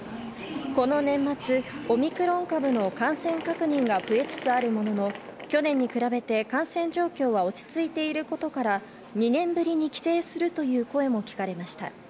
この年末、オミクロン株の感染確認が増えつつあるものの、去年に比べて感染状況は落ち着いていることから、２年ぶりに帰省するという声も聞かれました。